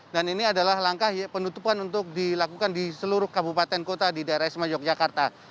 dan ini adalah langkah penutupan untuk dilakukan di seluruh kabupaten kota di daerah istimewa yogyakarta